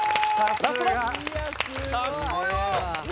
さすが。